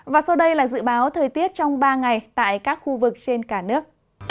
và sau đây là dự báo thời tiết trong ba ngày tại các khu vực trên cả nước